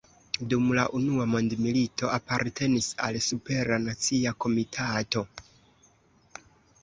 Dum la unua mondmilito apartenis al Supera Nacia Komitato.